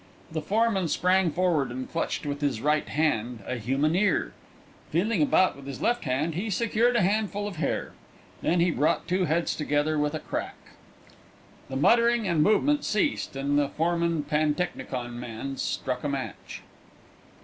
The foreman sprang forward and clutched with his right hand a human ear. Feeling about with his left hand, he secured a handful of hair. Then he brought two heads together with a crack. The muttering and movement ceased, and the foreman pantechnicon man struck a match.